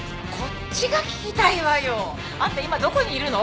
あんた今どこにいるの？